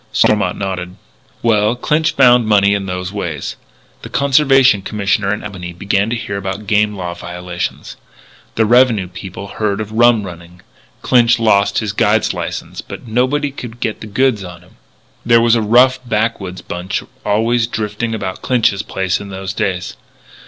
Stormont nodded. "Well, Clinch found money in those ways. The Conservation Commissioner in Albany began to hear about game law violations. The Revenue people heard of rum running. Clinch lost his guide's license. But nobody could get the goods on him. "There was a rough backwoods bunch always drifting about Clinch's place in those days.